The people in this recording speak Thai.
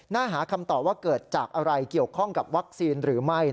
น่าหาคำตอบว่าเกิดจากอะไรเกี่ยวข้องกับวัคซีนหรือไม่